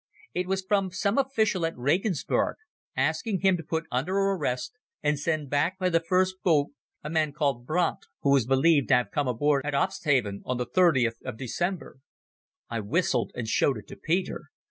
It was from some official at Regensburg, asking him to put under arrest and send back by the first boat a man called Brandt, who was believed to have come aboard at Absthafen on the 30th of December. I whistled and showed it to Peter.